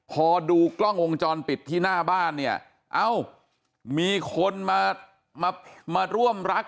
พอดูกล้องวงจรปิดที่หน้าบ้านเนี่ยเอ้ามีคนมามาร่วมรัก